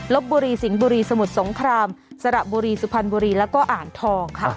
บุรีสิงห์บุรีสมุทรสงครามสระบุรีสุพรรณบุรีแล้วก็อ่างทองค่ะ